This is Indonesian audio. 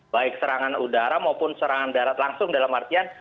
baik serangan udara maupun serangan darat langsung dalam artian